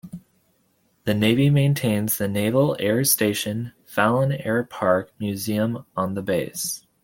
The navy maintains the Naval Air Station Fallon Air Park museum on the base.